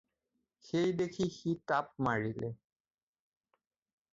সেই দেখি সি তাপ মাৰিলে।